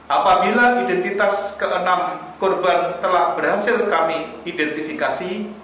apabila identitas ke enam korban telah berhasil kami identifikasi